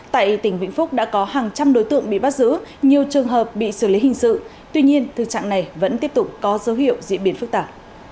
tại tỉnh vĩnh phúc đã có hàng trăm đối tượng bị bắt giữ nhiều trường hợp bị xử lý hình sự tuy nhiên thực trạng này vẫn tiếp tục có dấu hiệu diễn biến phức tạp